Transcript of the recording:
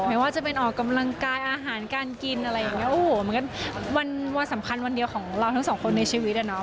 ไม่ว่าจะเป็นออกกำลังกายอาหารการกินอะไรอย่างเงี้โอ้โหมันก็วันสำคัญวันเดียวของเราทั้งสองคนในชีวิตอ่ะเนาะ